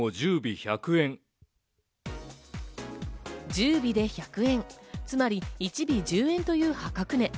１０尾で１００円、つまり１尾１０円という破格値。